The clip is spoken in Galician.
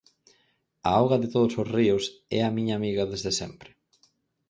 A auga de todos os ríos é a miña amiga desde sempre.